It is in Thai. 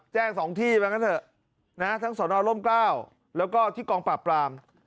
แจ้ง๒ที่มากันเถอะนะทั้งสนร่มกล้าแล้วก็ที่กองปราบปราม